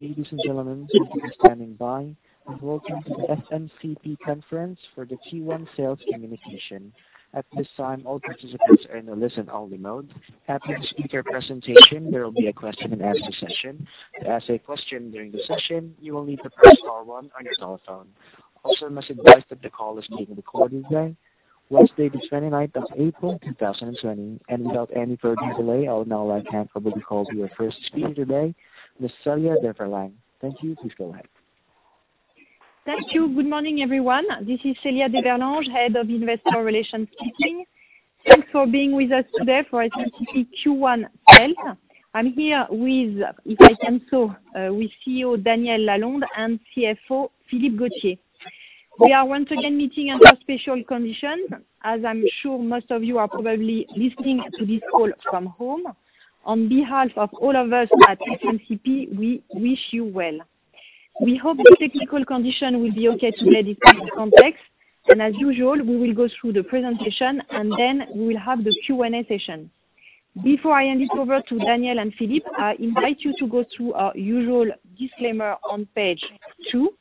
Ladies and gentlemen, thank you for standing by. Welcome to the SMCP Conference for the Q1 Sales Communication. At this time, all participants are in the listen-only mode. Happy to speak to your presentation. There will be a question-and-answer session. To ask a question during the session, you will need to press star one on your cell phone. Also, it must be advised that the call is being recorded today, Wednesday, the 29th of April, 2020, and without any further delay, I will now let hand over the call to your first speaker today, Ms. Célia d'Everlange. Thank you. Please go ahead. Thank you. Good morning, everyone. This is Célia d'Everlange, Head of Investor Relations Team. Thanks for being with us today for SMCP Q1 sales. I'm here with, if I can say, with CEO Daniel Lalonde and CFO Philippe Gauthier. We are once again meeting under special conditions, as I'm sure most of you are probably listening to this call from home. On behalf of all of us at SMCP, we wish you well. We hope the technical condition will be okay today due to the context, and as usual, we will go through the presentation, and then we will have the Q&A session. Before I hand it over to Daniel and Philippe, I invite you to go through our usual disclaimer on page two,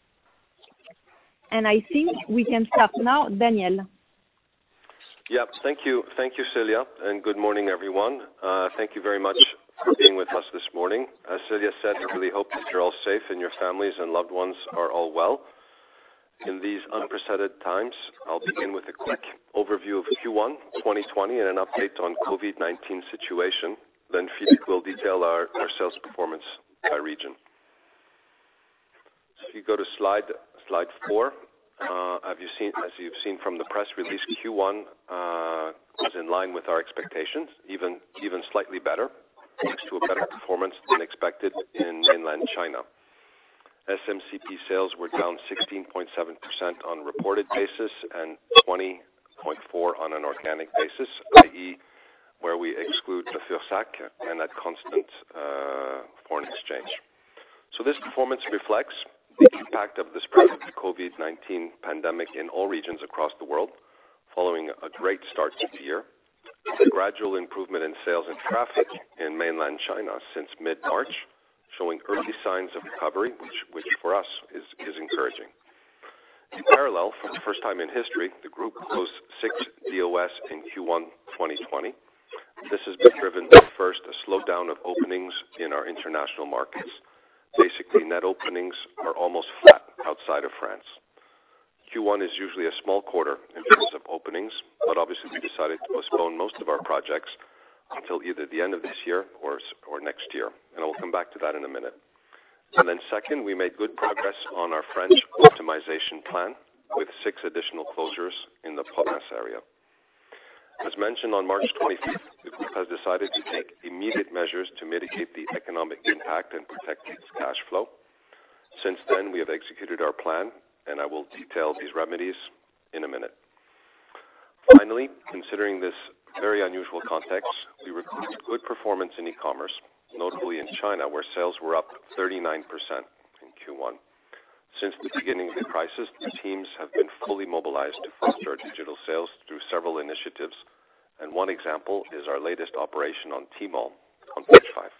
and I think we can start now. Daniel. Yep. Thank you. Thank you, Célia, and good morning, everyone. Thank you very much for being with us this morning. As Célia said, I really hope that you're all safe and your families and loved ones are all well in these unprecedented times. I'll begin with a quick overview of Q1, 2020, and an update on the COVID-19 situation, then Philippe will detail our sales performance by region. If you go to slide four, as you've seen from the press release, Q1 was in line with our expectations, even slightly better, thanks to a better performance than expected in Mainland China. SMCP sales were down 16.7% on a reported basis and 20.4% on an organic basis, i.e., where we exclude the Fursac and that constant foreign exchange. So this performance reflects the impact of this COVID-19 pandemic in all regions across the world, following a great start to the year, a gradual improvement in sales and traffic in Mainland China since mid-March, showing early signs of recovery, which for us is encouraging. In parallel, for the first time in history, the group closed six DOS in Q1, 2020. This has been driven by, first, a slowdown of openings in our international markets. Basically, net openings are almost flat outside of France. Q1 is usually a small quarter in terms of openings, but obviously, we decided to postpone most of our projects until either the end of this year or next year. And I will come back to that in a minute. And then second, we made good progress on our French optimization plan with six additional closures in the Provence area. As mentioned on March 25th, the group has decided to take immediate measures to mitigate the economic impact and protect its cash flow. Since then, we have executed our plan, and I will detail these remedies in a minute. Finally, considering this very unusual context, we recorded good performance in e-commerce, notably in China, where sales were up 39% in Q1. Since the beginning of the crisis, the teams have been fully mobilized to foster digital sales through several initiatives, and one example is our latest operation on Tmall on page five,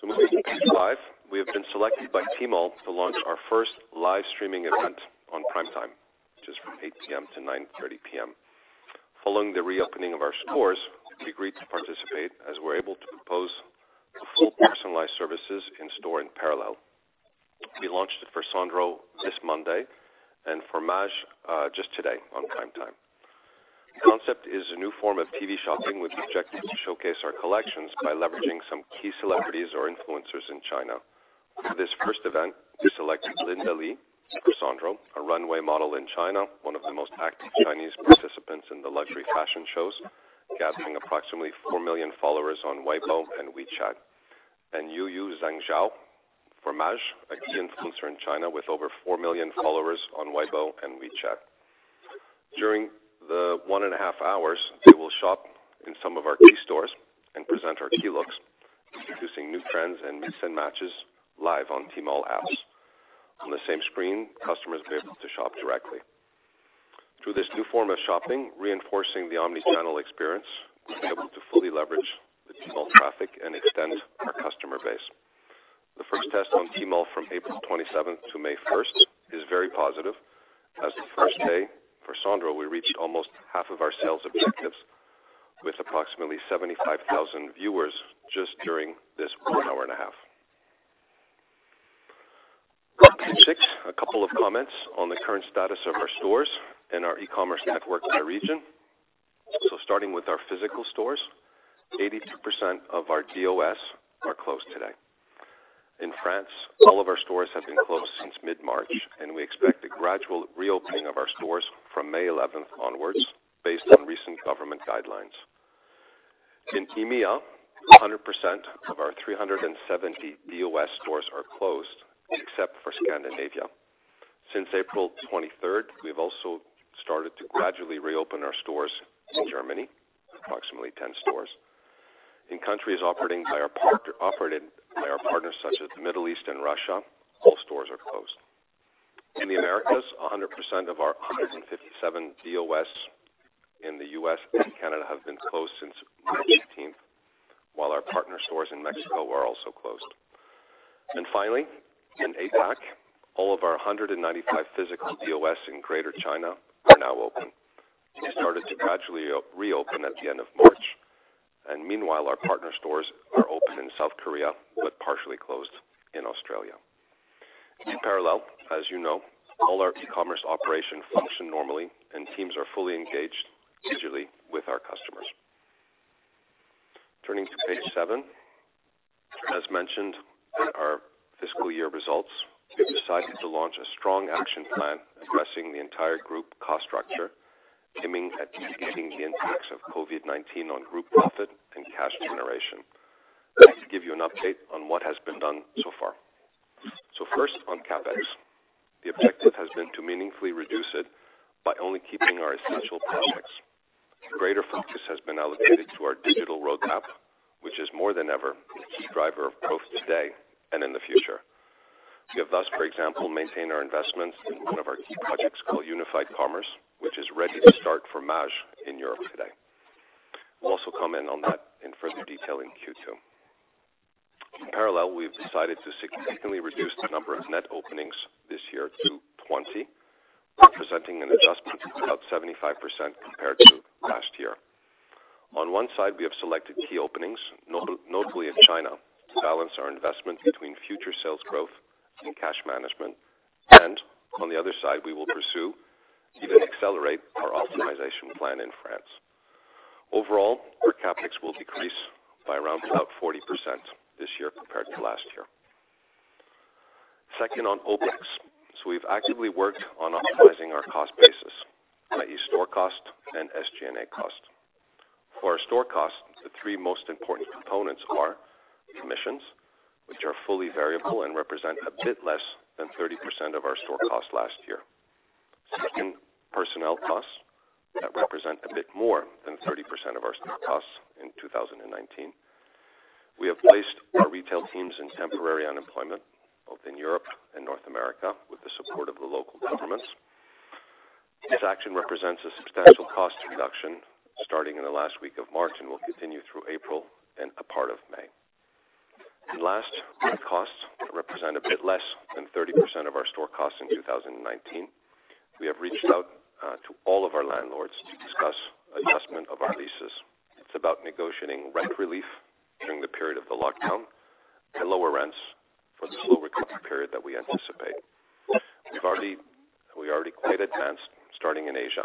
so moving to page five, we have been selected by Tmall to launch our first live streaming event on prime time, which is from 8:00 P.M. to 9:30 P.M. Following the reopening of our stores, we agreed to participate as we're able to propose full personalized services in store in parallel. We launched at Sandro this Monday and from Maje just today on prime time. The concept is a new form of TV shopping with the objective to showcase our collections by leveraging some key celebrities or influencers in China. For this first event, we selected Linda Li for Sandro, a runway model in China, one of the most active Chinese participants in the luxury fashion shows, gathering approximately four million followers on Weibo and WeChat, and Yuyu Zhangzou for Maje, a key influencer in China with over four million followers on Weibo and WeChat. During the one and a half hours, they will shop in some of our key stores and present our key looks, introducing new trends and mix and matches live on Tmall apps. On the same screen, customers will be able to shop directly. Through this new form of shopping, reinforcing the omnichannel experience, we'll be able to fully leverage the Tmall traffic and extend our customer base. The first test on Tmall from April 27th to May 1st is very positive, as the first day for Fursac and Sandro, we reached almost half of our sales objectives with approximately 75,000 viewers just during this one hour and a half. A couple of comments on the current status of our stores and our e-commerce network by region. Starting with our physical stores, 82% of our DOS are closed today. In France, all of our stores have been closed since mid-March, and we expect a gradual reopening of our stores from May 11th onwards based on recent government guidelines. In EMEA, 100% of our 370 DOS stores are closed, except for Scandinavia. Since April 23rd, we've also started to gradually reopen our stores in Germany, approximately 10 stores. In countries operated by our partners, such as the Middle East and Russia, all stores are closed. In the Americas, 100% of our 157 DOS in the U.S. and Canada have been closed since March 18th, while our partner stores in Mexico are also closed. Finally, in APAC, all of our 195 physical DOS in Greater China are now open. They started to gradually reopen at the end of March. Meanwhile, our partner stores are open in South Korea but partially closed in Australia. In parallel, as you know, all our e-commerce operations function normally, and teams are fully engaged digitally with our customers. Turning to page 7, as mentioned in our fiscal year results, we've decided to launch a strong action plan addressing the entire group cost structure, aiming at mitigating the impacts of COVID-19 on group profit and cash generation. Let me give you an update on what has been done so far. So first, on CapEx, the objective has been to meaningfully reduce it by only keeping our essential projects. Greater focus has been allocated to our digital roadmap, which is more than ever the driver of growth today and in the future. We have thus, for example, maintained our investments in one of our key projects called Unified Commerce, which is ready to start for Maje in Europe today. We'll also comment on that in further detail in Q2. In parallel, we've decided to significantly reduce the number of net openings this year to 20%, representing an adjustment of about 75% compared to last year. On one side, we have selected key openings, notably in China, to balance our investment between future sales growth and cash management, and on the other side, we will pursue and accelerate our optimization plan in France. Overall, our CapEx will decrease by around 40% this year compared to last year. Second, on OpEx, so we've actively worked on optimizing our cost basis, i.e., store cost and SG&A cost. For our store cost, the three most important components are commissions, which are fully variable and represent a bit less than 30% of our store cost last year. Second, personnel costs that represent a bit more than 30% of our store costs in 2019. We have placed our retail teams in temporary unemployment, both in Europe and North America, with the support of the local governments. This action represents a substantial cost reduction starting in the last week of March and will continue through April and a part of May, and last, costs that represent a bit less than 30% of our store cost in 2019. We have reached out to all of our landlords to discuss adjustment of our leases. It's about negotiating rent relief during the period of the lockdown and lower rents for the slow recovery period that we anticipate. We've already quite advanced, starting in Asia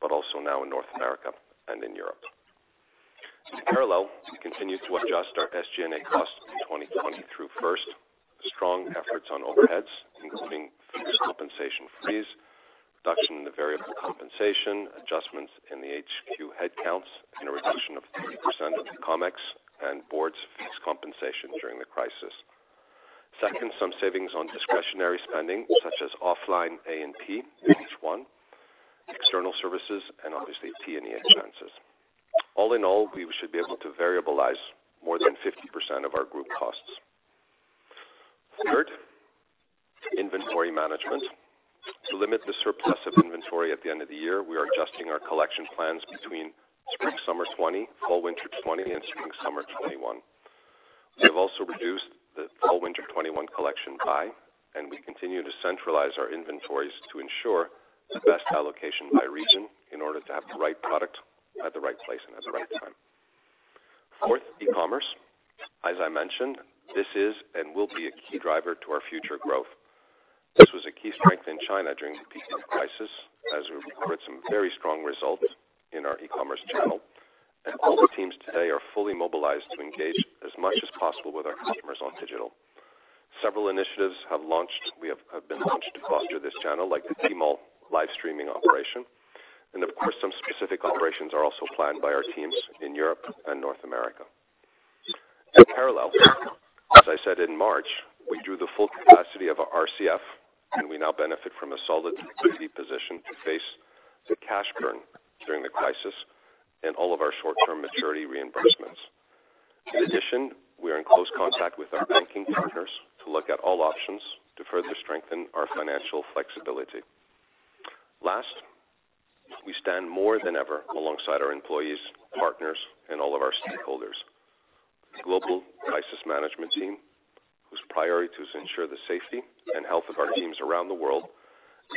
but also now in North America and in Europe. In parallel, we continue to adjust our SG&A cost in 2020 through first, strong efforts on overheads, including fixed compensation freeze, reduction in the variable compensation, adjustments in the HQ headcounts, and a reduction of 30% of the Comex and board's fixed compensation during the crisis. Second, some savings on discretionary spending, such as offline A&P in each one, external services, and obviously T&E expenses. All in all, we should be able to variabilize more than 50% of our group costs. Third, inventory management. To limit the surplus of inventory at the end of the year, we are adjusting our collection plans between Spring/Summer 2020, Fall/Winter 2020, and Spring/Summer 2021. We have also reduced the Fall/Winter 2021 collection by, and we continue to centralize our inventories to ensure the best allocation by region in order to have the right product at the right place and at the right time. Fourth, e-commerce. As I mentioned, this is and will be a key driver to our future growth. This was a key strength in China during the peak of the crisis, as we recorded some very strong results in our e-commerce channel. And all the teams today are fully mobilized to engage as much as possible with our customers on digital. Several initiatives have been launched to foster this channel, like the Tmall live streaming operation. And of course, some specific operations are also planned by our teams in Europe and North America. In parallel, as I said in March, we drew the full capacity of our RCF, and we now benefit from a solid position to face the cash burn during the crisis and all of our short-term maturity reimbursements. In addition, we are in close contact with our banking partners to look at all options to further strengthen our financial flexibility. Last, we stand more than ever alongside our employees, partners, and all of our stakeholders. The global crisis management team, whose priority is to ensure the safety and health of our teams around the world,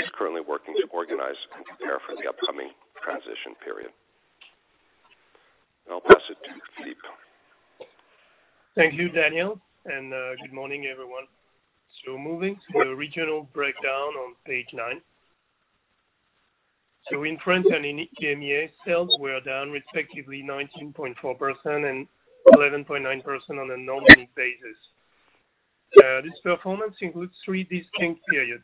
is currently working to organize and prepare for the upcoming transition period. I'll pass it to Philippe. Thank you, Daniel, and good morning, everyone. Moving to the regional breakdown on page 9. In France and in EMEA, sales were down, respectively, 19.4% and 11.9% on a normal basis. This performance includes three distinct periods.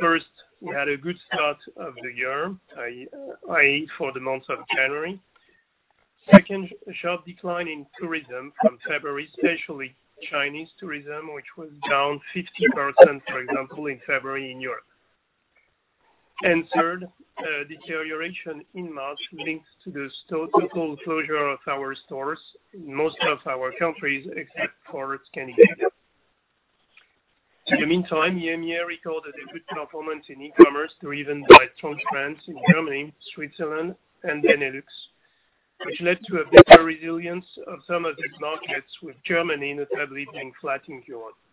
First, we had a good start of the year, i.e., for the month of January. Second, a sharp decline in tourism from February, especially Chinese tourism, which was down 50%, for example, in February in Europe. Third, deterioration in March linked to the total closure of our stores in most of our countries, except for Scandinavia. In the meantime, EMEA recorded a good performance in e-commerce, driven by strong trends in Germany, Switzerland, and Benelux, which led to a better resilience of some of these markets, with Germany notably being flat in Europe. In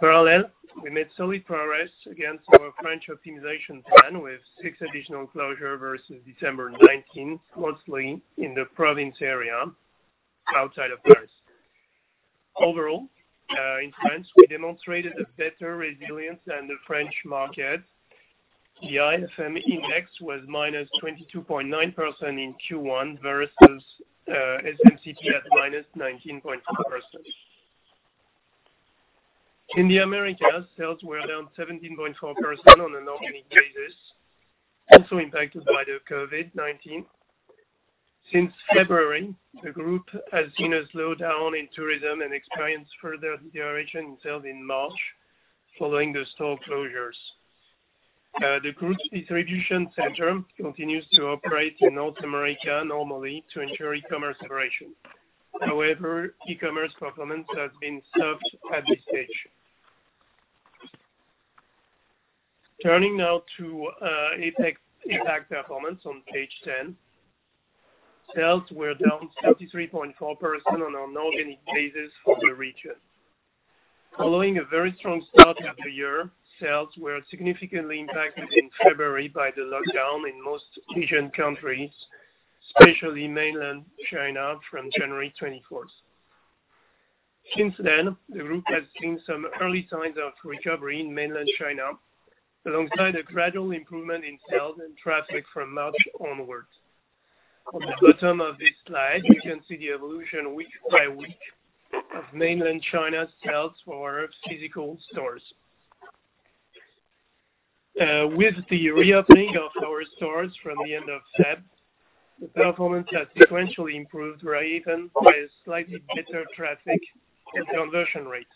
parallel, we made solid progress against our French optimization plan with six additional closures versus December 2019, mostly in the Provence area outside of Paris. Overall, in France, we demonstrated a better resilience than the French market. The IFM Index was -22.9% in Q1 versus SMCP at -19.4%. In the Americas, sales were down 17.4% on a normal basis, also impacted by the COVID-19. Since February, the group has seen a slowdown in tourism and experienced further deterioration in sales in March following the store closures. The group's distribution center continues to operate in North America normally to ensure e-commerce operations. However, e-commerce performance has been stopped at this stage. Turning now to APAC performance on page 10, sales were down 33.4% on an organic basis for the region. Following a very strong start of the year, sales were significantly impacted in February by the lockdown in most Asian countries, especially Mainland China, from January 24th. Since then, the group has seen some early signs of recovery in mainland China, alongside a gradual improvement in sales and traffic from March onwards. On the bottom of this slide, you can see the evolution week by week of mainland China's sales for our physical stores. With the reopening of our stores from the end of February, the performance has sequentially improved, even with slightly better traffic and conversion rates.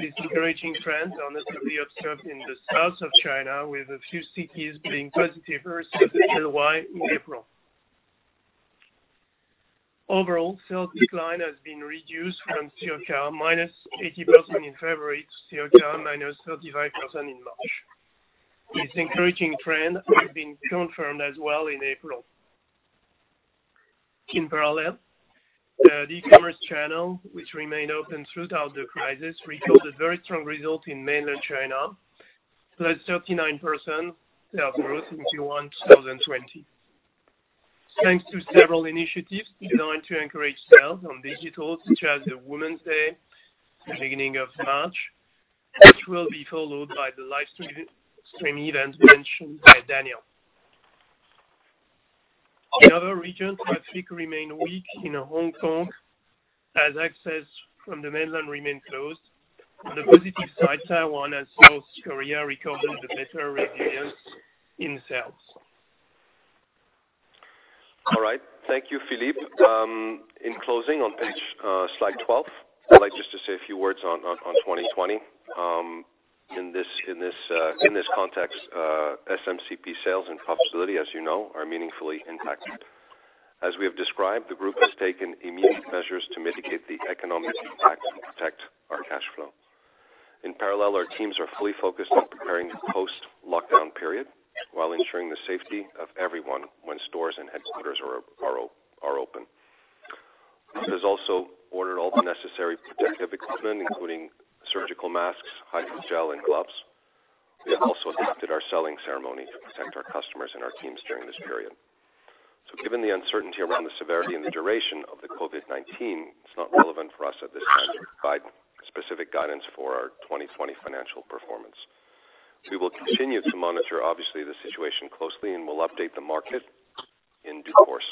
This encouraging trend is notably observed in the south of China, with a few cities being positive versus LY in April. Overall, sales decline has been reduced from circa -80% in February to circa -35% in March. This encouraging trend has been confirmed as well in April. In parallel, the e-commerce channel, which remained open throughout the crisis, recorded very strong results in Mainland China, +39% sales growth in Q1 2020. Thanks to several initiatives designed to encourage sales on digital, such as the Women's Day at the beginning of March, which will be followed by the live streaming event mentioned by Daniel. In other regions, traffic remained weak in Hong Kong, as access from the Mainland remained closed. On the positive side, Taiwan and South Korea recorded a better resilience in sales. All right. Thank you, Philippe. In closing, on page slide 12, I'd like just to say a few words on 2020. In this context, SMCP sales and profitability, as you know, are meaningfully impacted. As we have described, the group has taken immediate measures to mitigate the economic impact and protect our cash flow. In parallel, our teams are fully focused on preparing the post-lockdown period while ensuring the safety of everyone when stores and headquarters are open. We have also ordered all the necessary protective equipment, including surgical masks, hydrogel, and gloves. We have also adapted our selling ceremony to protect our customers and our teams during this period. So given the uncertainty around the severity and the duration of the COVID-19, it's not relevant for us at this time to provide specific guidance for our 2020 financial performance. We will continue to monitor, obviously, the situation closely, and we'll update the market in due course,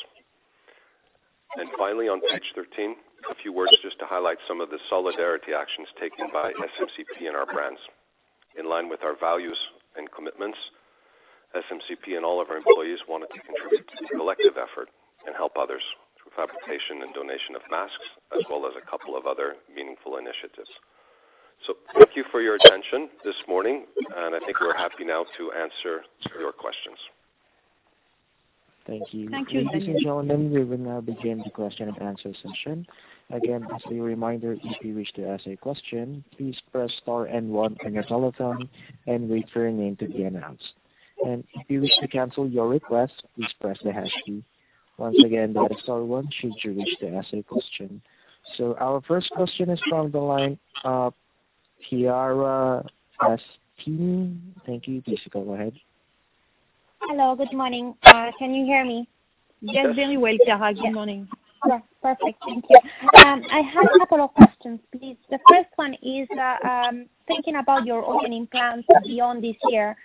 and finally, on page 13, a few words just to highlight some of the solidarity actions taken by SMCP and our brands. In line with our values and commitments, SMCP and all of our employees wanted to contribute to the collective effort and help others through fabrication and donation of masks, as well as a couple of other meaningful initiatives, so thank you for your attention this morning, and I think we're happy now to answer your questions. Thank you. Thank you, Daniel. Then we will now begin the question and answer session. Again, as a reminder, if you wish to ask a question, please press star and one on your telephone and wait for your name to be announced. And if you wish to cancel your request, please press the hash key. Once again, press star one should you wish to ask a question. So our first question is from the line of Chiara Battistini. Thank you. Please go ahead. Hello. Good morning. Can you hear me? Yes, very well, Chiara. Good morning. Yes, perfect. Thank you. I have a couple of questions, please. The first one is thinking about your opening plans beyond this year.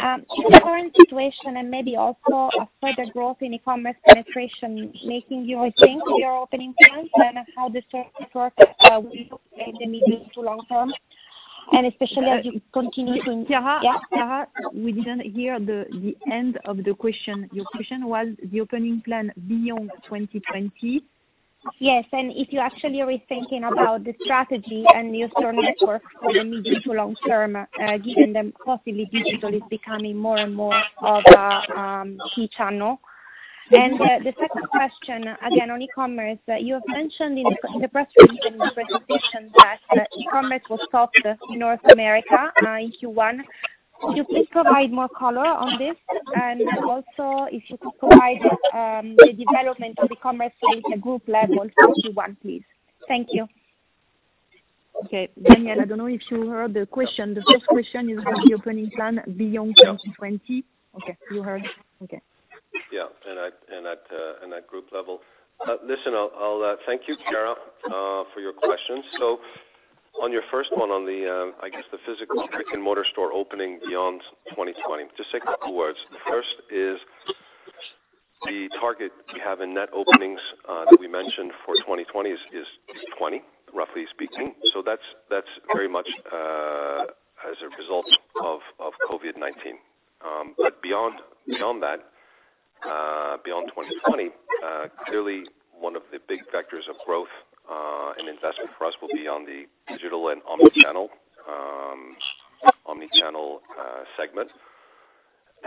Is the current situation and maybe also further growth in e-commerce penetration making you rethink your opening plans and how the service works in the medium to long term? And especially as you continue to. Chiara? Yeah, We didn't hear the end of the question. Your question was the opening plan beyond 2020? Yes. And if you're actually rethinking about the strategy and your store network for the medium to long term, given the possibility that it's becoming more and more of a key channel. And the second question, again, on e-commerce, you have mentioned in the press release and the presentation that e-commerce was stopped in North America in Q1. Could you please provide more color on this? And also, if you could provide the development of e-commerce at the group level for Q1, please. Thank you. Okay. Daniel, I don't know if you heard the question. The first question is the opening plan beyond 2020. Okay. You heard? Okay. Yeah. And at group level. Listen, thank you, Chiara, for your questions. So on your first one on the, I guess, the physical brick-and-mortar store opening beyond 2020, just say a couple of words. The first is the target we have in net openings that we mentioned for 2020 is 20%, roughly speaking. So that's very much as a result of COVID-19. But beyond that, beyond 2020, clearly, one of the big factors of growth and investment for us will be on the digital and omnichannel segment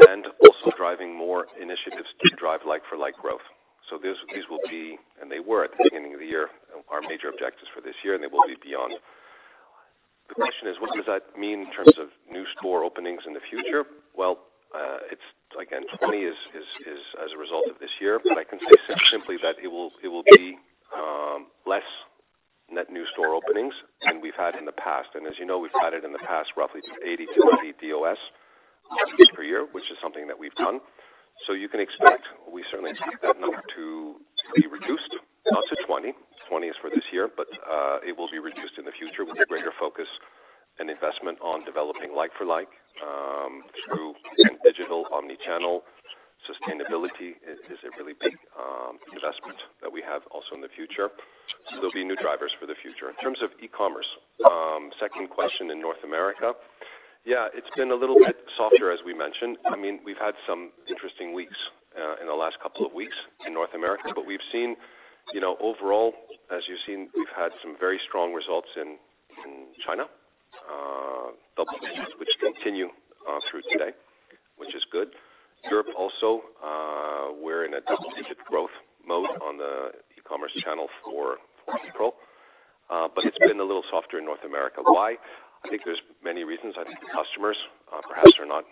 and also driving more initiatives to drive like-for-like growth. So these will be, and they were at the beginning of the year, our major objectives for this year, and they will be beyond. The question is, what does that mean in terms of new store openings in the future? Again, 20% is as a result of this year, but I can say simply that it will be less net new store openings than we've had in the past. And as you know, we've added in the past roughly 80-90 DOS per year, which is something that we've done. So you can expect we certainly expect that number to be reduced to 20%. 20% is for this year, but it will be reduced in the future with a greater focus and investment on developing like-for-like through digital, omnichannel, sustainability is a really big investment that we have also in the future. So there'll be new drivers for the future. In terms of e-commerce, second question in North America. Yeah, it's been a little bit softer, as we mentioned. I mean, we've had some interesting weeks in the last couple of weeks in North America, but we've seen overall, as you've seen, we've had some very strong results in China, double-digits, which continue through today, which is good. Europe also, we're in a double-digit growth mode on the e-commerce channel for April, but it's been a little softer in North America. Why? I think there's many reasons. I think the customers perhaps are not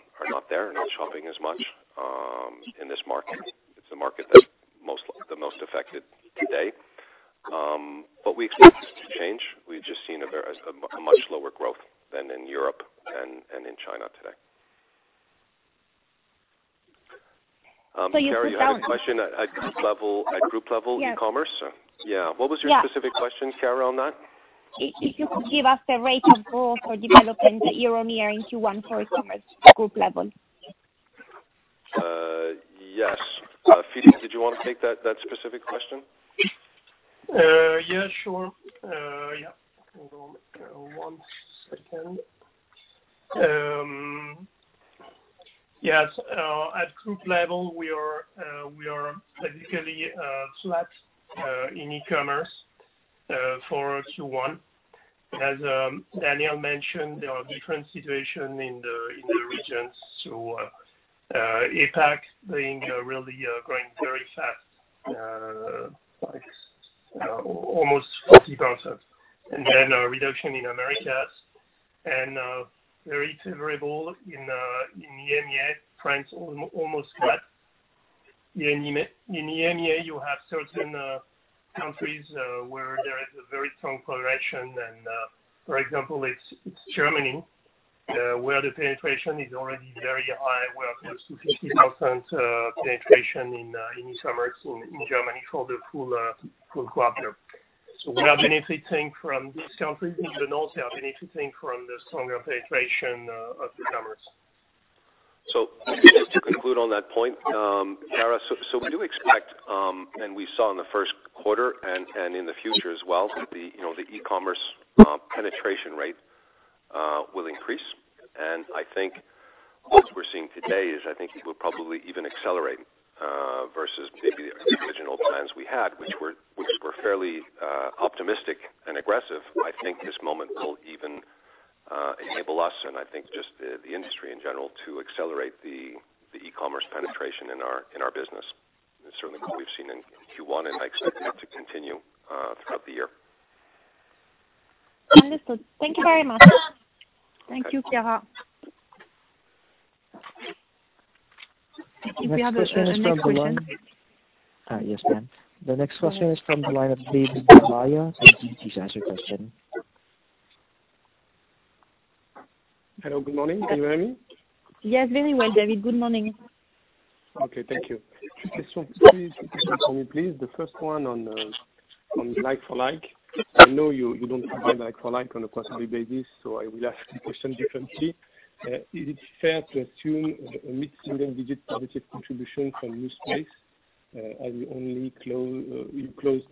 there and not shopping as much in this market. It's the market that's the most affected today. But we expect this to change. We've just seen a much lower growth than in Europe and in China today. So you said that-- Can you carry on that question at group level e-commerce? Yes. Yeah. What was your specific question, Chiara, on that? If you could give us the rate of growth or development year on year in Q1 for e-commerce group level? Yes. Philippe, did you want to take that specific question? Yeah, sure. Yeah. Hold on one second. Yes. At group level, we are basically flat in e-commerce for Q1. As Daniel mentioned, there are different situations in the regions, so APAC being really growing very fast, almost 40%, and then a reduction in Americas, and very favorable in EMEA. France almost flat. In EMEA, you have certain countries where there is a very strong progression, and for example, it's Germany where the penetration is already very high, where it goes to 50% penetration in e-commerce in Germany for the full quarter, so we are benefiting from these countries. In the north, they are benefiting from the stronger penetration of e-commerce. Just to conclude on that point, Chiara, we do expect, and we saw in the first quarter and in the future as well, the e-commerce penetration rate will increase. I think what we're seeing today is I think it will probably even accelerate versus maybe the original plans we had, which were fairly optimistic and aggressive. I think this moment will even enable us, and I think just the industry in general, to accelerate the e-commerce penetration in our business. It's certainly what we've seen in Q1, and I expect that to continue throughout the year. Understood. Thank you very much. Thank you, Chiara. If you have any further questions. Yes, ma'am. The next question is from the line of David Da Maia. So please ask the question. Hello. Good morning. Can you hear me? Yes, very well, David. Good morning. Okay. Thank you. Two questions for me, please. The first one on like-for-like. I know you don't provide like-for-like on a quarterly basis, so I will ask the question differently. Is it fair to assume a mid-single-digit positive contribution from new space as we only closed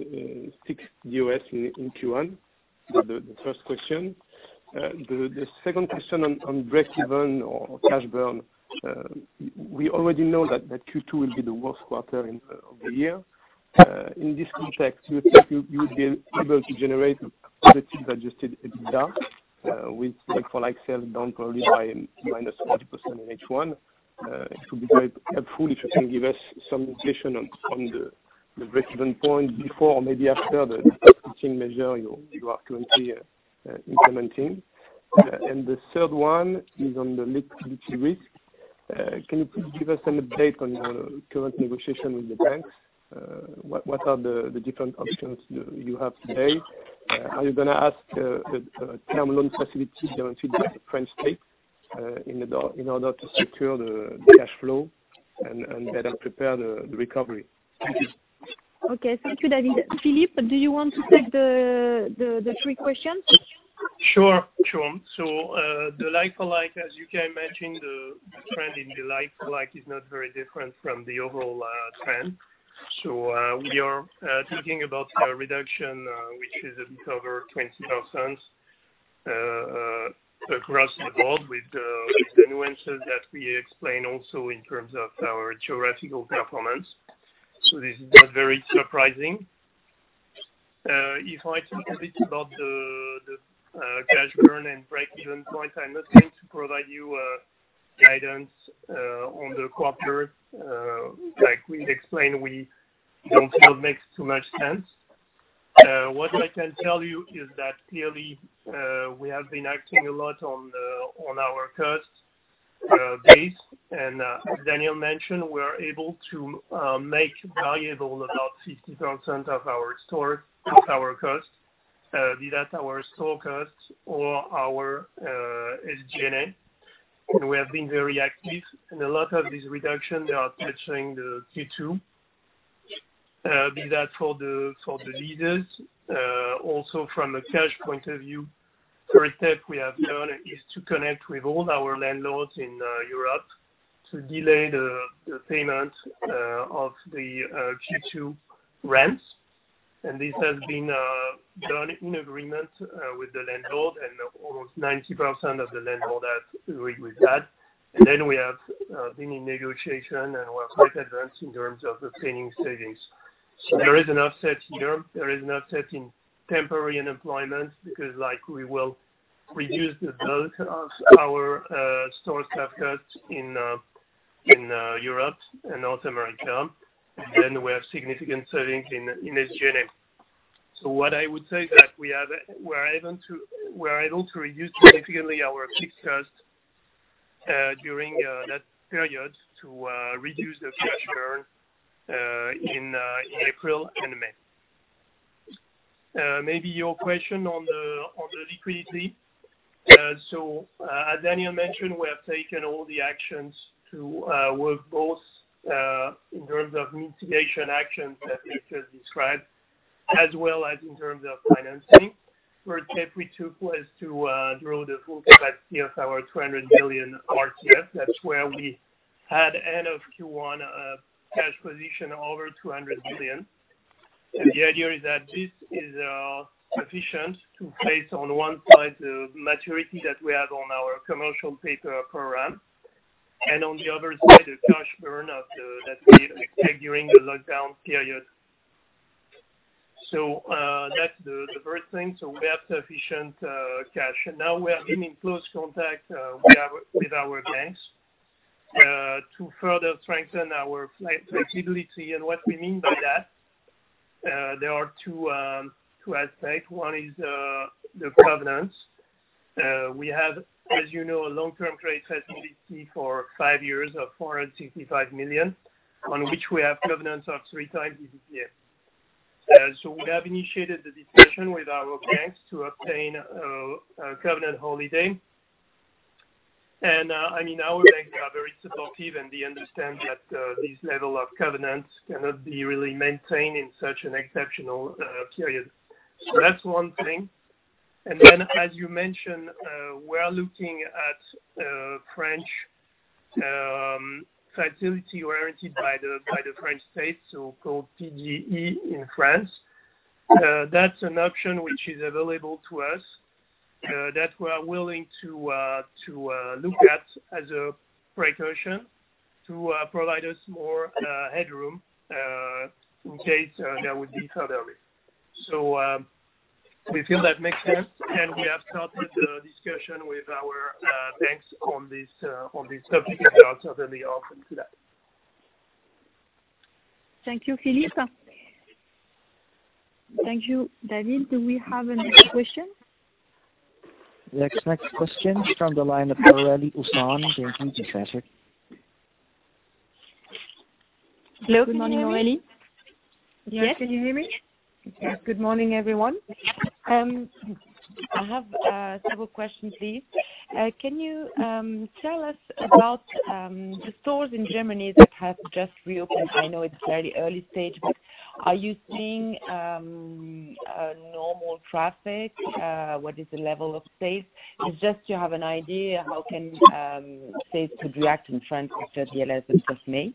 six DOS in Q1? The first question. The second question on break-even or cash burn, we already know that Q2 will be the worst quarter of the year. In this context, do you think you would be able to generate a positive adjusted EBITDA with like-for-like sales down probably by -40% in H1? It would be very helpful if you can give us some information on the break-even point before or maybe after the testing measure you are currently implementing. And the third one is on the liquidity risk. Can you please give us an update on your current negotiation with the banks? What are the different options you have today? Are you going to ask for a term loan facility from the French state in order to secure the cash flow and better prepare the recovery? Okay. Thank you, David. Philippe, do you want to take the three questions? Sure. So the like-for-like, as you can imagine, the trend in the like-for-like is not very different from the overall trend. So we are thinking about a reduction, which is a bit over 20% across the board with the nuances that we explain also in terms of our geographical performance. So this is not very surprising. If I think a bit about the cash burn and break-even point, I'm not going to provide you guidance on the quarter. Like we explained, we don't feel it makes too much sense. What I can tell you is that clearly we have been acting a lot on our cost base. And as Daniel mentioned, we are able to make variable about 50% of our store, of our cost, be that our store cost or our SG&A. And we have been very active. A lot of these reductions are touching the Q2, be that for the leases. Also, from a cash point of view, the first step we have done is to connect with all our landlords in Europe to delay the payment of the Q2 rents. This has been done in agreement with the landlord, and almost 90% of the landlord has agreed with that. Then we have been in negotiation, and we are quite advanced in terms of obtaining savings. There is an offset here. There is an offset in temporary unemployment because we will reduce the bulk of our store staff costs in Europe and North America. Then we have significant savings in SG&A. What I would say is that we are able to reduce significantly our fixed cost during that period to reduce the cash burn in April and May. Maybe your question on the liquidity. So as Daniel mentioned, we have taken all the actions to work both in terms of mitigation actions that we just described, as well as in terms of financing. The first step we took was to grow the full capacity of our 200 million RCF. That's where we had end of Q1 cash position over 200 million. And the idea is that this is sufficient to face on one side the maturity that we have on our Commercial Paper program and on the other side the cash burn that we expect during the lockdown period. So that's the first thing. So we have sufficient cash. And now we have been in close contact with our banks to further strengthen our flexibility. And what we mean by that, there are two aspects. One is the provenance. We have, as you know, a long-term credit facility for five years of 465 million, on which we have covenant of three times EBITDA. So we have initiated the discussion with our banks to obtain a covenant holiday. And I mean, our banks are very supportive, and they understand that this level of covenants cannot be really maintained in such an exceptional period. So that's one thing. And then, as you mentioned, we are looking at French facility guaranteed by the French state, so-called PGE in France. That's an option which is available to us that we are willing to look at as a precaution to provide us more headroom in case there would be further risks. So we feel that makes sense. And we have started the discussion with our banks on this topic, and they are certainly open to that. Thank you, Philippe. Thank you, David. Do we have any questions? The next question is from the line of Aurélie Husson-Dumoutier. Thank you. Just ask it. Hello. Good morning, Aurélie. Yes. Can you hear me? Yes. Good morning, everyone. I have several questions, please. Can you tell us about the stores in Germany that have just reopened? I know it's very early stage, but are you seeing normal traffic? What is the level of sales? Just to have an idea how sales could react in France after the 11th of May.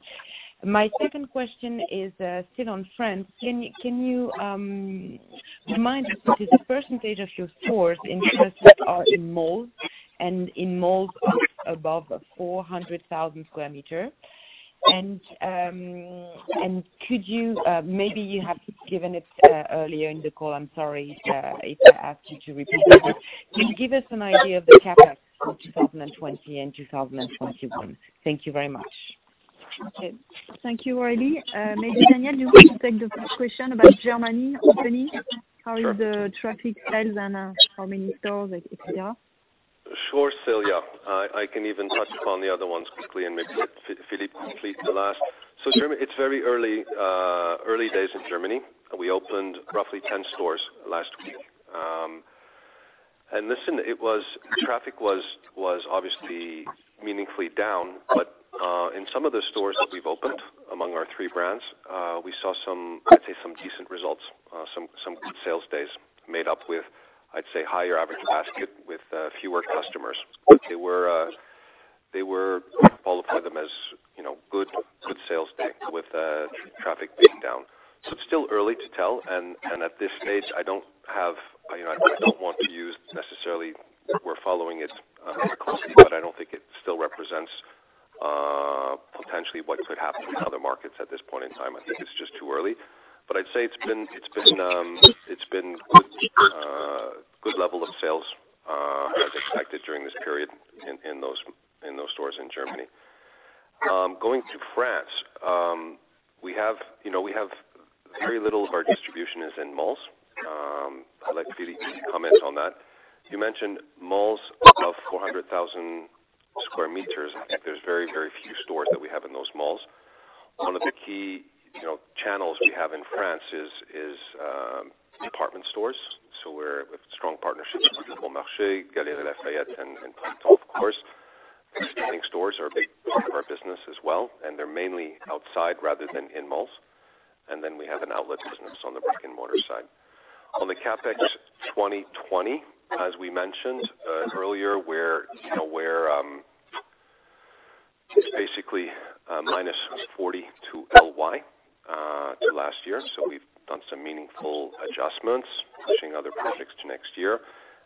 My second question is still on France. Can you remind us what is the percentage of your stores that are in malls and in malls above 400,000 square meters? And maybe you have given it earlier in the call. I'm sorry if I asked you to repeat it. Can you give us an idea of the CapEx for 2020 and 2021? Thank you very much. Okay. Thank you, Aurélie. Maybe Daniel, you want to take the question about Germany opening? How is the traffic sales and how many stores, etc.? Sure. Célia, yeah. I can even touch upon the other ones quickly and maybe Philippe complete the last. So it's very early days in Germany. We opened roughly 10 stores last week. And listen, traffic was obviously meaningfully down, but in some of the stores that we've opened among our three brands, we saw, I'd say, some decent results, some good sales days made up with, I'd say, higher average basket with fewer customers. They were qualified them as good sales day with traffic being down. So it's still early to tell. And at this stage, I don't want to use necessarily we're following it closely, but I don't think it still represents potentially what could happen in other markets at this point in time. I think it's just too early. But I'd say it's been a good level of sales as expected during this period in those stores in Germany. Going to France, we have very little of our distribution is in malls. I'd like Philippe to comment on that. You mentioned malls above 400,000 square meters. I think there's very, very few stores that we have in those malls. One of the key channels we have in France is department stores. So we're with strong partnerships with Le Bon Marché, Galeries Lafayette, and Printemps, of course. Existing stores are a big part of our business as well, and they're mainly outside rather than in malls. And then we have an outlet business on the brick-and-mortar side. On the CapEx 2020, as we mentioned earlier, we're basically -40% to LY last year. So we've done some meaningful adjustments, pushing other projects to next year.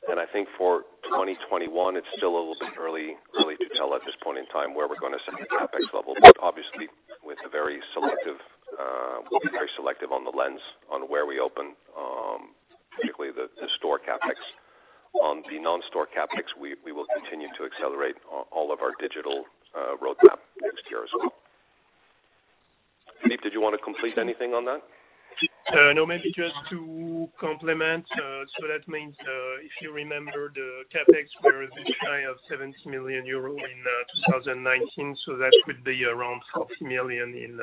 I think for 2021, it's still a little bit early to tell at this point in time where we're going to set the CapEx level, but obviously with a very selective lens on where we open, particularly the store CapEx. On the non-store CapEx, we will continue to accelerate all of our digital roadmap next year as well. Philippe, did you want to complete anything on that? No, maybe just to complement. So that means if you remember the CapEx, we were at this high of 70 million euro in 2019. So that would be around [inaudible] 40 million in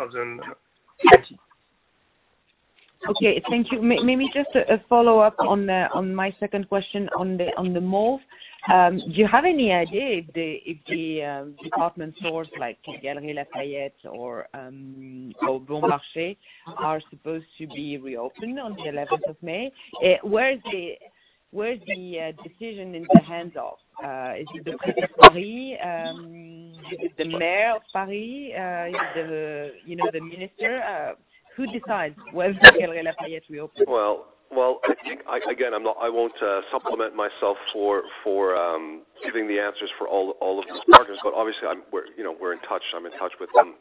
2020. Okay. Thank you. Maybe just a follow-up on my second question on the malls. Do you have any idea if the department stores like Galeries Lafayette or Le Bon Marché are supposed to be reopened on the 11th of May? Where is the decision in the hands of? Is it the prefect of Paris? Is it the mayor of Paris? Is it the minister? Who decides whether Galeries Lafayette reopens? Again, I won't substitute myself for giving the answers for all of these partners, but obviously, we're in touch. I'm in touch with them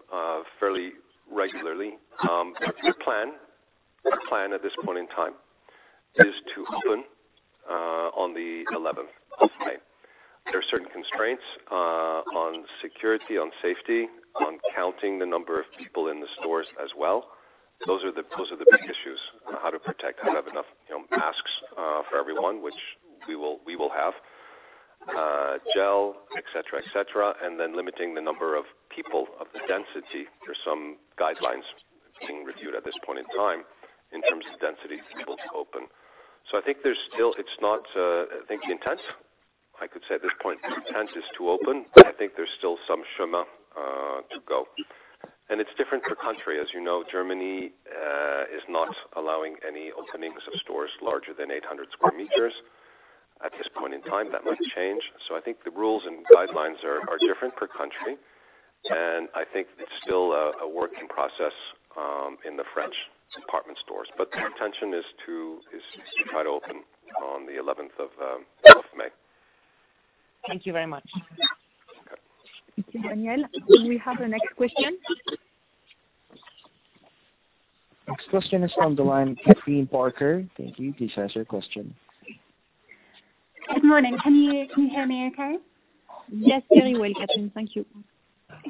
fairly regularly. The plan at this point in time is to open on the 11th of May. There are certain constraints on security, on safety, on counting the number of people in the stores as well. Those are the big issues. How to protect? How to have enough masks for everyone, which we will have, gel, etc., etc., and then limiting the number of people, of the density. There are some guidelines being reviewed at this point in time in terms of density to be able to open. So I think there's still. It's not. I think the intent, I could say at this point, the intent is to open, but I think there's still some way to go. And it's different per country. As you know, Germany is not allowing any openings of stores larger than 800 square meters at this point in time. That might change. I think the rules and guidelines are different per country. And I think it's still a work in process in the French department stores. But the intention is to try to open on the 11th of May. Thank you very much. Okay. Thank you, Daniel. Do we have the next question? Next question is from the line of Kathryn Parker. Thank you. Please ask your question. Good morning. Can you hear me okay? Yes, very well, Kathryn. Thank you.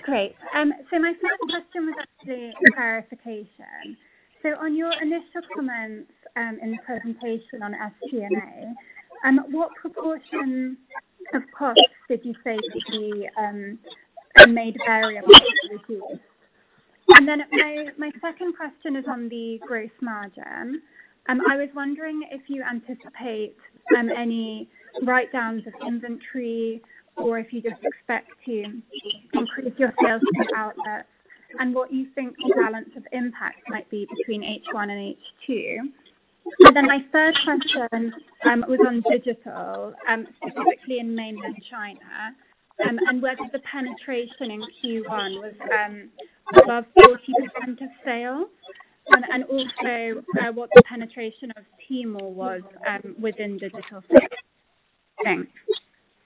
Great. So my first question was actually a clarification. So on your initial comments in the presentation on SG&A, what proportion of costs did you say could be made variable to reduce? And then my second question is on the gross margin. I was wondering if you anticipate any write-downs of inventory or if you just expect to increase your sales to the outlets and what you think the balance of impact might be between H1 and H2. And then my third question was on digital, specifically in mainland China, and whether the penetration in Q1 was above 40% of sales and also what the penetration of Tmall was within digital sales. Thanks.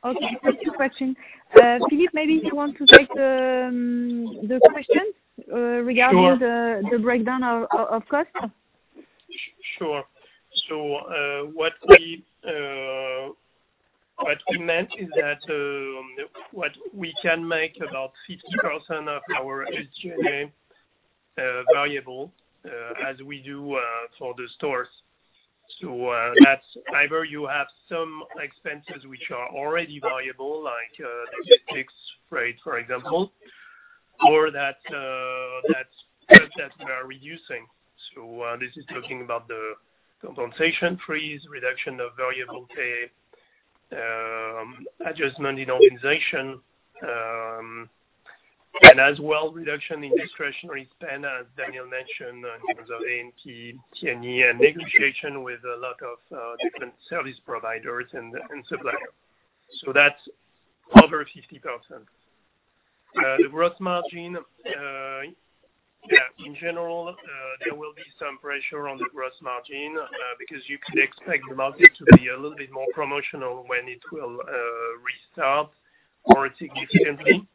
Okay. Thank you for asking. Philippe, maybe you want to take the question regarding the breakdown of costs? Sure. So what we meant is that we can make about 50% of our SG&A variable as we do for the stores. So that's either you have some expenses which are already variable, like the fixed rate, for example, or that's stuff that we are reducing. So this is talking about the compensation freeze, reduction of variable pay, adjustment in organization, and as well, reduction in discretionary spend, as Daniel mentioned, in terms of A&P, T&E, and negotiation with a lot of different service providers and suppliers. So that's over 50%. The gross margin, yeah, in general, there will be some pressure on the gross margin because you could expect the market to be a little bit more promotional when it will restart more significantly.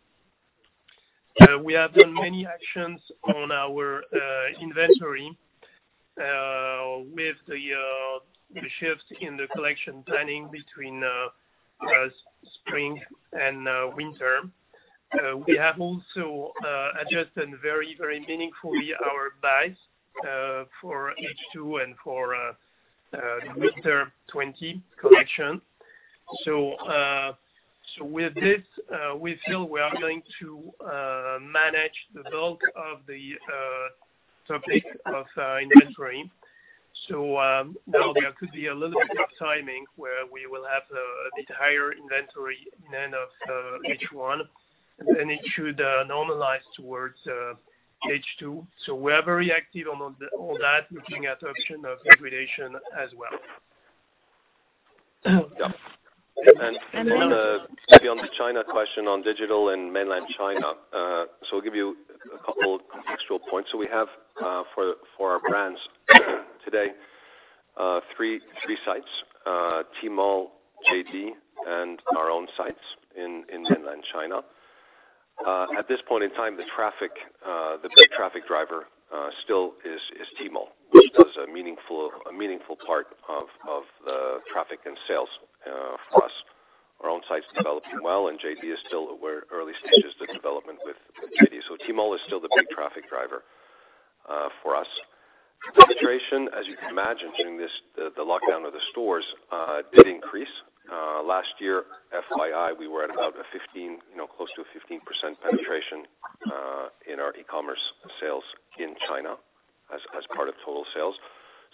We have done many actions on our inventory with the shift in the collection planning between spring and winter. We have also adjusted very, very meaningfully our buys for H2 and for the winter 2020 collection. So with this, we feel we are going to manage the bulk of the topic of inventory. So now there could be a little bit of timing where we will have a bit higher inventory in end of H1, and then it should normalize towards H2. So we are very active on all that, looking at option of degradation as well. Then maybe on the China question on digital and mainland China. So I'll give you a couple of contextual points. So we have for our brands today three sites: Tmall, JD, and our own sites in mainland China. At this point in time, the big traffic driver still is Tmall, which does a meaningful part of the traffic and sales for us. Our own site's developing well, and JD is still early stages of development with JD. So Tmall is still the big traffic driver for us. Penetration, as you can imagine, during the lockdown of the stores did increase. Last year, FYI, we were at about close to a 15% penetration in our e-commerce sales in China as part of total sales.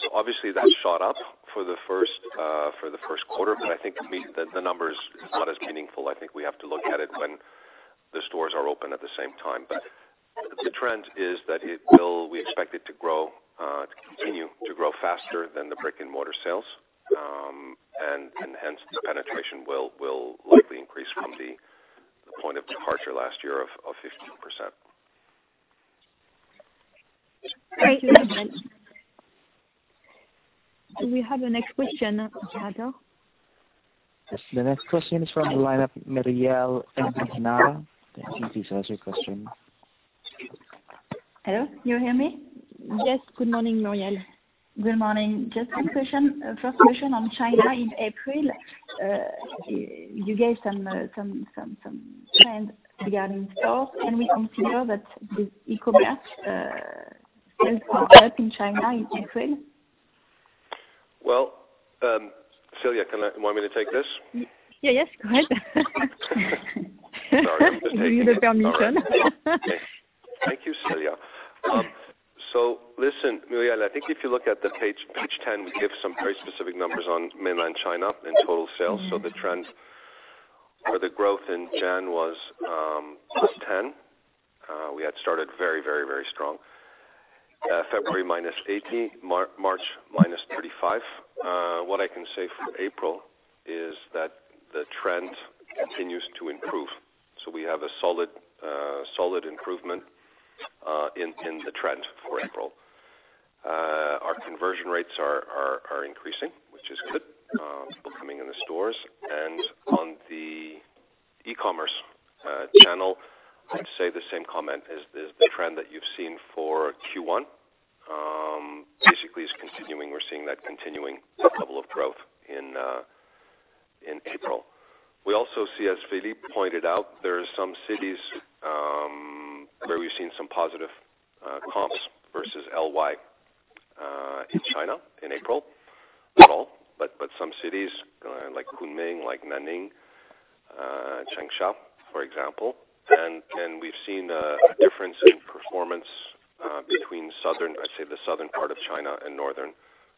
So obviously, that shot up for the first quarter, but I think the number is not as meaningful. I think we have to look at it when the stores are open at the same time. But the trend is that we expect it to grow, continue to grow faster than the brick-and-mortar sales, and hence, the penetration will likely increase from the point of departure last year of 15%. Great. Thank you. We have the next question. [inaudible] The next question is from the line of Marielle de la Gueronniere. Thank you. Please ask your question. Hello. Can you hear me? Yes. Good morning, Marielle. Good morning. Just one question. First question on China. In April, you gave some trends regarding stores. Can we consider that the e-commerce sales can help in China in April? Célia, do you want me to take this? Yeah. Yes. Go ahead. Sorry. I need the permission. Thank you, Célia. So listen, Marielle, I think if you look at page 10, we give some very specific numbers on Mainland China and total sales. So the trend or the growth in January was 10%. We had started very, very, very strong. February -80%, March -35%. What I can say for April is that the trend continues to improve. So we have a solid improvement in the trend for April. Our conversion rates are increasing, which is good. People coming in the stores. And on the e-commerce channel, I'd say the same comment is the trend that you've seen for Q1 basically is continuing. We're seeing that continuing level of growth in April. We also see, as Philippe pointed out, there are some cities where we've seen some positive comps versus LY in China in April at all, but some cities like Kunming, like Nanning, Changsha, for example. And we've seen a difference in performance between, I'd say, the southern part of China and northern,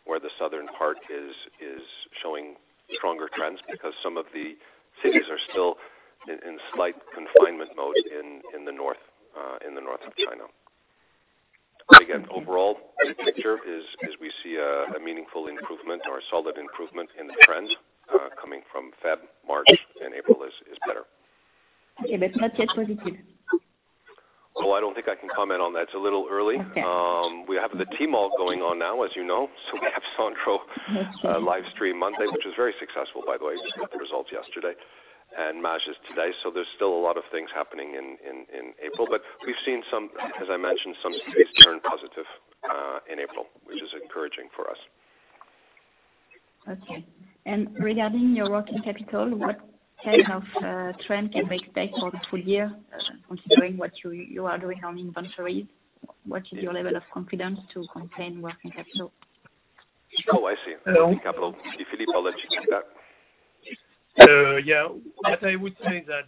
where the southern part is showing stronger trends because some of the cities are still in slight confinement mode in the north of China. But again, overall, the picture is we see a meaningful improvement or a solid improvement in the trend coming from February, March, and April is better. Okay, but it's not yet positive. I don't think I can comment on that. It's a little early. We have the Tmall going on now, as you know. We have Sandro live stream Monday, which was very successful, by the way. We just got the results yesterday and Maje is today. There's still a lot of things happening in April. We've seen, as I mentioned, some cities turn positive in April, which is encouraging for us. Okay, and regarding your working capital, what kind of trend can we expect for the full year considering what you are doing on inventories? What is your level of confidence to obtain working capital? Oh, I see. Working capital. Philippe, I'll let you take that. Yeah. I would say that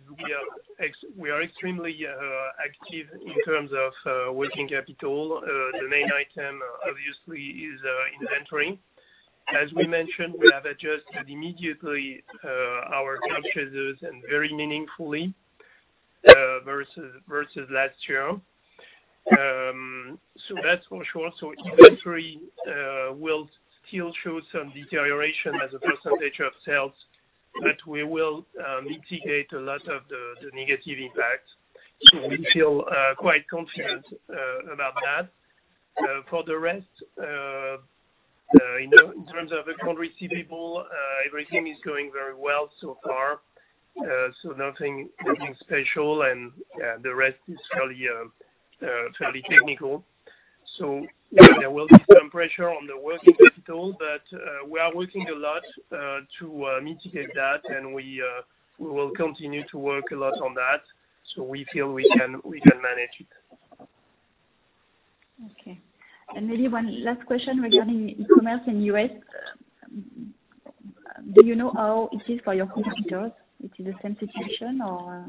we are extremely active in terms of working capital. The main item, obviously, is inventory. As we mentioned, we have adjusted immediately our purchases and very meaningfully versus last year. So that's for sure. So inventory will still show some deterioration as a percentage of sales, but we will mitigate a lot of the negative impacts. We feel quite confident about that. For the rest, in terms of accounts receivable, everything is going very well so far. So nothing special. And yeah, the rest is fairly technical. So there will be some pressure on the working capital, but we are working a lot to mitigate that, and we will continue to work a lot on that. So we feel we can manage it. Okay. And maybe one last question regarding e-commerce in the U.S. Do you know how it is for your competitors? Is it the same situation, or?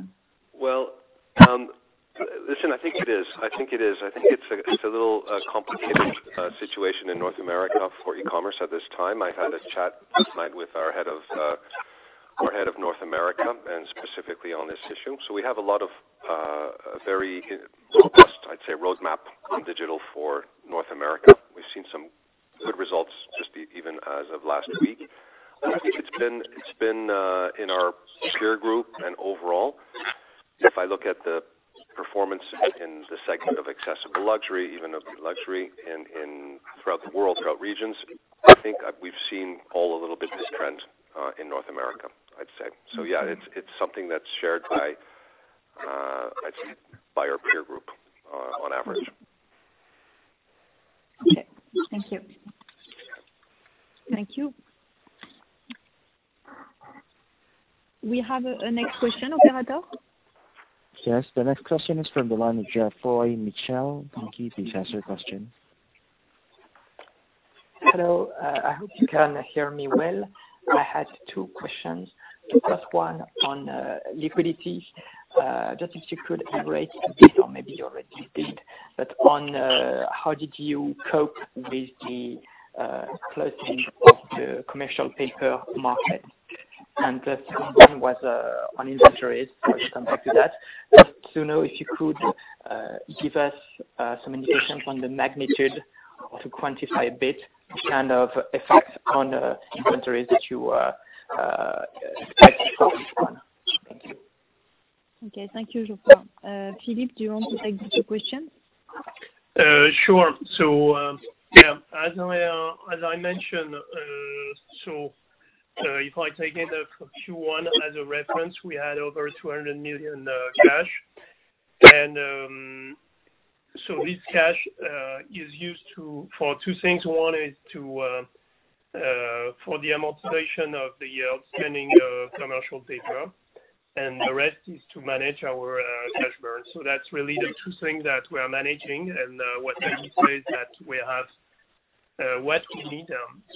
Listen, I think it is. I think it is. I think it's a little complicated situation in North America for e-commerce at this time. I had a chat with our head of North America and specifically on this issue. We have a lot of very robust, I'd say, roadmap in digital for North America. We've seen some good results just even as of last week. I think it's been in our peer group and overall. If I look at the performance in the segment of accessible luxury, even of luxury throughout the world, throughout regions, I think we've seen all a little bit of trend in North America, I'd say. Yeah, it's something that's shared by our peer group on average. Okay. Thank you. Thank you. We have a next question, operator. Yes. The next question is from the line of Geoffroy Michel. Thank you. Please ask your question. Hello. I hope you can hear me well. I had two questions, first one on liquidity. Just if you could elaborate, maybe you already did, but on how did you cope with the closing of the Commercial Paper market? And the second one was on inventories. I'll come back to that. Just to know if you could give us some indications on the magnitude or to quantify a bit the kind of effects on inventories that you expect for each one. Thank you. [inaudible] Okay. Thank you, Geoffroy. Philippe, do you want to take the question? Sure. So yeah, as I mentioned, so if I take end of Q1 as a reference, we had over 200 million cash. And so this cash is used for two things. One is for the amortization of the outstanding Commercial Paper, and the rest is to manage our cash burn. So that's really the two things that we are managing. And what I would say is that we have what we need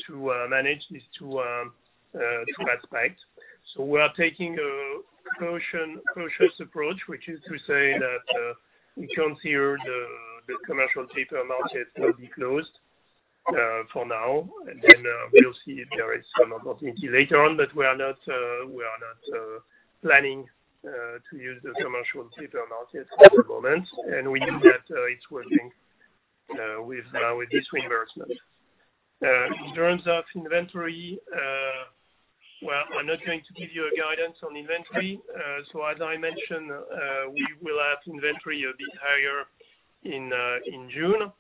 to manage these two aspects. We are taking a cautious approach, which is to say that we consider the Commercial Paper market will be closed for now, and then we'll see if there is some opportunity later on. But we are not planning to use the Commercial Paper market at the moment, and we knew that it's working with this reimbursement. In terms of inventory, well, I'm not going to give you a guidance on inventory. As I mentioned, we will have inventory a bit higher in June.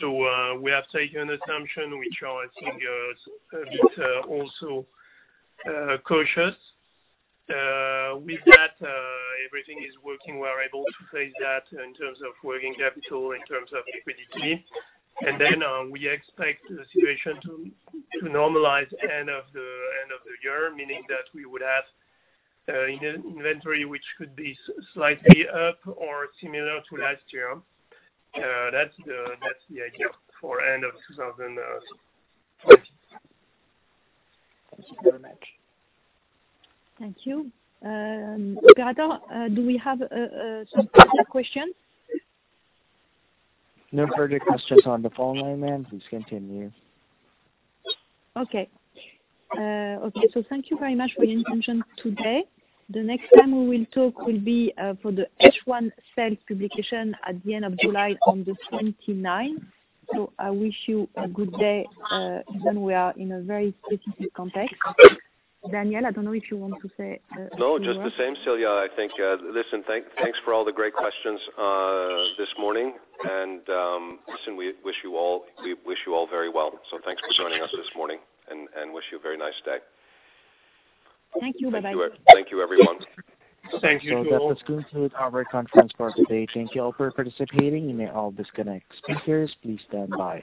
So we have taken an assumption, which I think is also cautious. With that, everything is working. We are able to face that in terms of working capital, in terms of liquidity. And then we expect the situation to normalize end of the year, meaning that we would have inventory which could be slightly up or similar to last year. That's the idea for end of 2020. Thank you very much. [inaudible] Thank you. Operator, do we have some further questions? No further questions on the phone line, ma'am. Please continue. Okay. Thank you very much for your intervention today. The next time we will talk will be for the H1 sales publication at the end of July on the 29th. So I wish you a good day, even though we are in a very specific context. Daniel, I don't know if you want to say. No, just the same, Célia. I think, listen, thanks for all the great questions this morning. And listen, we wish you all very well. So thanks for joining us this morning and wish you a very nice day. Thank you. Bye-bye. Thank you, everyone. Thank you. Thank you. That has concluded our conference for today. Thank you all for participating. You may all disconnect speakers. Please stand by.